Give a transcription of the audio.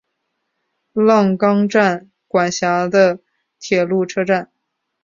浪冈站管辖的铁路车站。